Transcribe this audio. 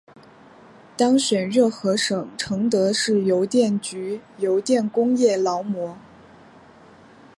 当选热河省承德市邮电局邮电工业劳模。